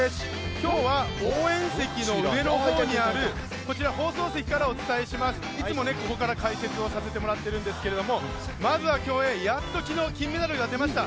今日は応援席の上のほうにあるこちら放送席からお伝えしていきます、いつもここから解説しているんですけどもまずは、競泳やっと昨日、金メダルが出ました。